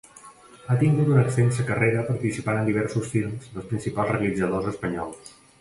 Ha tingut una extensa carrera participant en diversos films dels principals realitzadors espanyols.